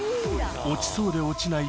落ちそうで落ちない